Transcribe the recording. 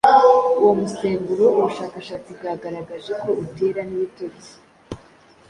uwo musemburo ubushakashatsi bwagaragaje ko utera n’ibitotsi,